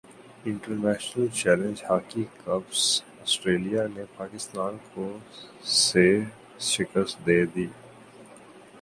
international challenge hockey cup Australia نے پاکستان کو سے شکست دے دی